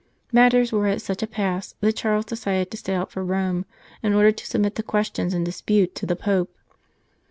Matters were at such a pass that Charles decided to set out for Rome in order to submit the questions in dispute to the Pope.